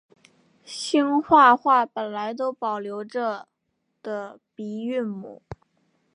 兴化话本来都保留着的鼻韵母。